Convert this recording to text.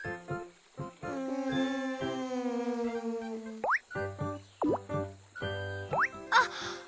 うん。あっ！